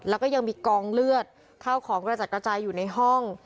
แล้วก็ยังมีกองเลือดข้าวของกระจัดกระจายอยู่ในห้อง